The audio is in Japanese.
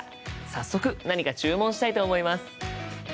早速何か注文したいと思います！